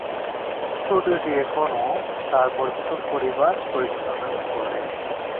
স্টুডিওটি এখনও তাঁর বর্ধিত পরিবার পরিচালনা করে।